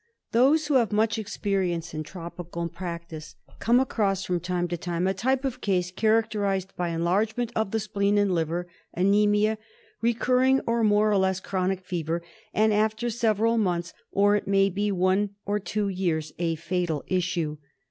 Those who have much experience in tropical practice come across from time to time a type of case character ised by enlargement of the spleen and liver, anaemia, re curring or more or less chronic fever, and, after several months or it may be one or two years, a fatal issue.